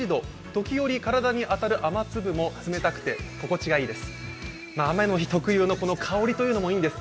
時折、体に当たる雨粒も冷たくて心地がいいです。